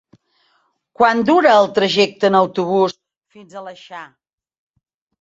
Quant dura el trajecte en autobús fins a l'Aleixar?